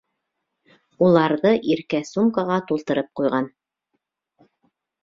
Уларҙы Иркә сумкаға тултырып ҡуйған.